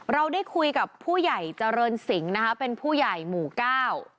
เราได้คุยกับผู้ใหญ่จริงเป็นผู้ใหญ่หมู่ก้าว